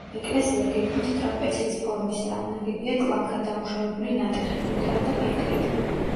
ეკლესია გეგმით ტრაპეციის ფორმისაა, ნაგებია ტლანქად დამუშავებული ნატეხი ქვითაა და ფიქლით.